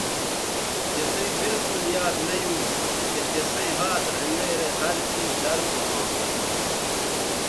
تِسئ بالکل یاد نہ یو چہء تسئیں ھات رھینگیرے ھر څیز زر سو ھواں